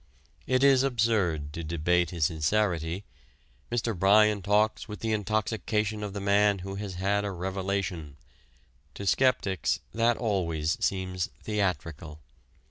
It is absurd to debate his sincerity. Mr. Bryan talks with the intoxication of the man who has had a revelation: to skeptics that always seems theatrical.